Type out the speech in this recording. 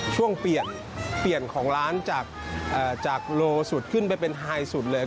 ช่วงเปลี่ยนเปลี่ยนของร้านจากโลสุดขึ้นไปเป็นไฮสุดเลย